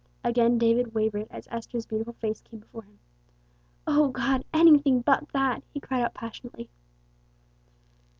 Again David wavered as Esther's beautiful face came before him. "O God! anything but that!" he cried out passionately.